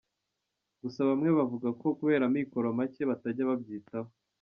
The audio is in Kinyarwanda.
Gusa bamwe bavuga ko kubera amikoro make batajya babyitaho.